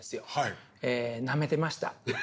えなめてました。